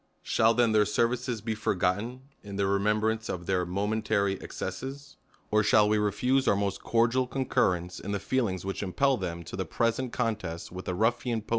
Shall then their services be forgotten, in the remem brance of their momentary excesses ? or shall, we re fuse our most cordial concurrence in the feelings v/hich impel them to the present contest v/ith the rulHan po